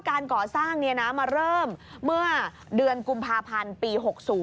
การก่อสร้างมาเริ่มเมื่อเดือนกุมภาพันธ์ปี๖๐